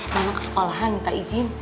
mama ke sekolah minta izin